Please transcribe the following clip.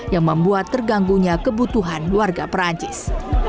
yang membuat terganggunya kebutuhan warga perancis